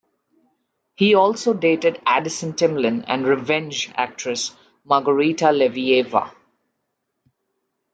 He also dated Addison Timlin and "Revenge" actress Margarita Levieva.